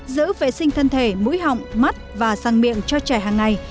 giữ vệ sinh thân thể mũi họng mắt và sang miệng cho trẻ hằng ngày